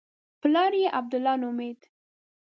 پلار یې عبدالله نومېده.